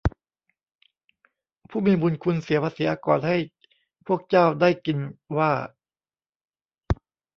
ผู้มีบุญคุณเสียภาษีอากรให้พวกเจ้าได้กินว่า